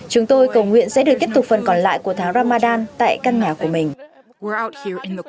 chúng tôi cầu nguyện sẽ được tiếp tục phần còn lại của tháng ramadan tại căn nhà của mình